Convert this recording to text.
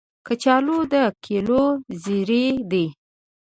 کچالو د کلیو زېری دی